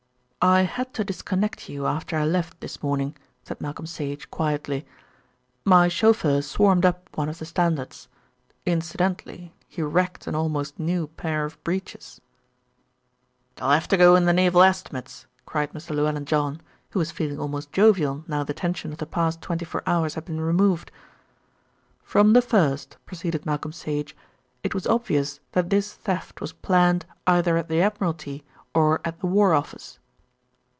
"I had to disconnect you after I left this morning," said Malcolm Sage quietly. "My chauffeur swarmed up one of the standards. Incidentally he wrecked an almost new pair of breeches." "They'll have to go in the Naval Estimates," cried Mr. Llewellyn John, who was feeling almost jovial now the tension of the past twenty four hours had been removed. "From the first," proceeded Malcolm Sage, "it was obvious that this theft was planned either at the Admiralty or at the War Office."